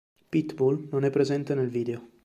Pitbull non è presente nel video.